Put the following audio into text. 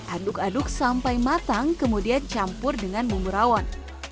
aduk aduk sampai matang kemudian campur dengan bumbu rawon